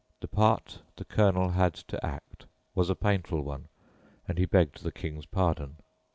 The part the Colonel had to act was a painful one, and he begged the King's pardon.